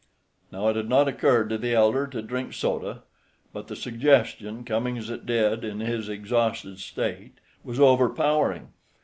Now it had not occurred to the elder to drink soda, but the suggestion, coming as it did in his exhausted state, was overpowering.